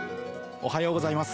おはようございます。